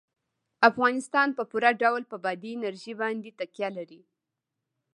افغانستان په پوره ډول په بادي انرژي باندې تکیه لري.